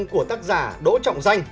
của tác giả đỗ trọng danh